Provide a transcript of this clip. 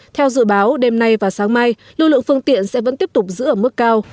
theo dự báo đêm nay và sáng mai lưu lượng phương tiện sẽ vẫn tiếp tục giữ ở mức cao